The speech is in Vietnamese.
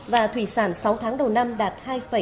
và thủy sản sáu tháng đầu năm đạt